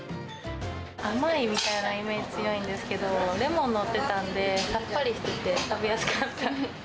甘いみたいなイメージ強いんですけど、レモン載ってたんで、さっぱりしてて、食べやすかった。